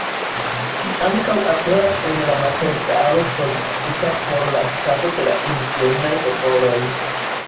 Ĝi ankaŭ aperas en la materialo produktita por la Tago de indiĝenaj popoloj.